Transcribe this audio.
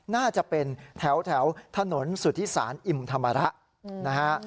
น่าจะเป็นแถวถนนสุธิศาลอิ่มธรรมระนะฮะ